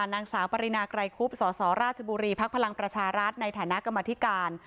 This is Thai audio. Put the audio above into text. นางสาวปรินาไกรคุบสสราชบุรีภักดิ์พลังประชารัฐในฐานะกรรมธิการ